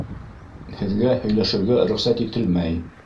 Һеҙгә һөйләшергә рөхсәт ителмәй!